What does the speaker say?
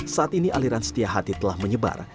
saat ini aliran setia hati telah menyebar